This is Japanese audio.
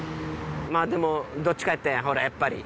まぁでもどっちかやったんややっぱり。